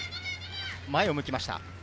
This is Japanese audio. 前を向きました。